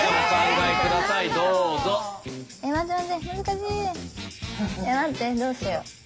えっ待ってどうしよう。